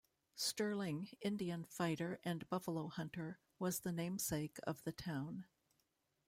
Sterling, Indian fighter and buffalo hunter, was the namesake of the town.